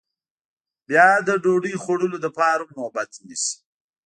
بیا د ډوډۍ خوړلو لپاره هم نوبت نیسي